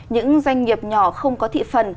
những doanh nghiệp nhỏ không có thị phần